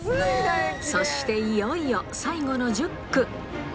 そしていよいよ、最後の１０区。